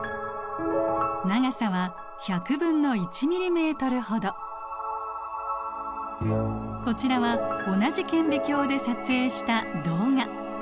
長さは１００分の１ｍｍほど。こちらは同じ顕微鏡で撮影した動画。